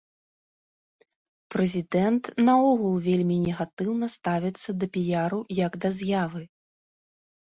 Прэзідэнт наогул вельмі негатыўна ставіцца да піяру як да з'явы.